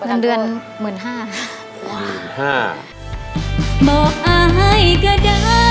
หนึ่งเดือน๑๕๐๐๐บาท